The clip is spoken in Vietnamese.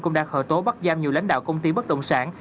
cũng đã khởi tố bắt giam nhiều lãnh đạo công ty bất động sản